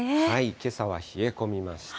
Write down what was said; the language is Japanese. けさは冷え込みました。